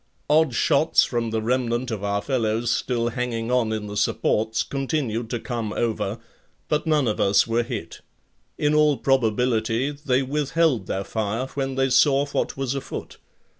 Odd shots from the remnant of our fellows still hanging on in the supports continued to come over, but none of us were hit. In all probability, they withheld their fire when they saw what was afoot.